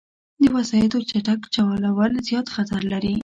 د وسايطو چټک چلول، زیاد خطر لري